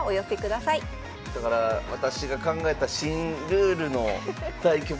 だから私が考えた新ルールの対局